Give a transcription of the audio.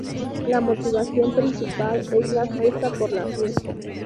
La motivación principal es "la fiesta por la fiesta".